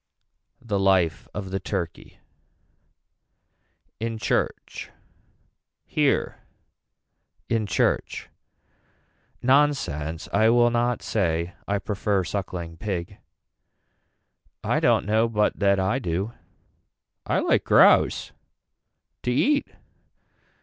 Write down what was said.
The life of the turkey. In church. Here in church. Nonsense I will not say I prefer suckling pig. I don't know but that I do. I like grouse. To eat.